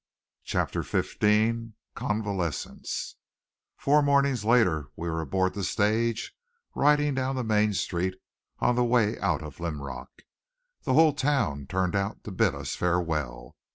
Chapter 15 CONVALESCENCE Four mornings later we were aboard the stage, riding down the main street, on the way out of Linrock. The whole town turned out to bid us farewell.